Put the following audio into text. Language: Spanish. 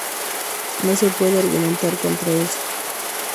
No se puede argumentar contra eso.